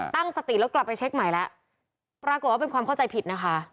ตั้งสติแล้วกลับไปเช็คใหม่แล้วปรากฏว่าเป็นความเข้าใจผิดนะคะ